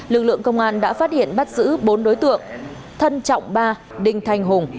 lực lượng công an đã phát hiện bắt giữ bốn đối tượng thân trọng ba đinh thanh hùng